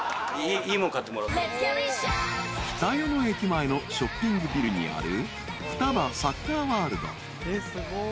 ［北与野駅前のショッピングビルにある］